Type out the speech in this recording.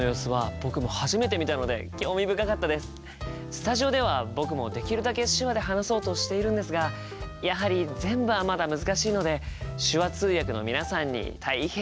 スタジオでは僕もできるだけ手話で話そうとしているんですがやはり全部はまだ難しいので手話通訳の皆さんに大変お世話になっています。